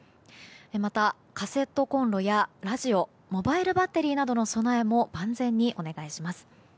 また、カセットコンロやラジオモバイルバッテリーなどの備えも万全にお願いします。